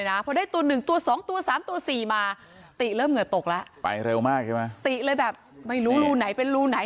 ตัวที่ห้าตัวที่ห้าครับตัวที่ห้าของเรา